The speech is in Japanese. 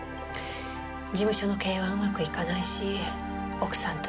事務所の経営はうまくいかないし奥さんとは離婚。